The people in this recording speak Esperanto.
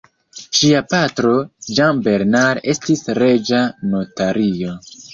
Ŝia patro, Jean Bernard, estis reĝa notario.